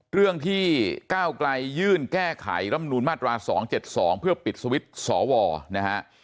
เรื่องที่ก้าวไกลยื่นแก้ไขรำนูนมาตรา๒๗๒เพื่อปิดสวิตช์สวนะฮะ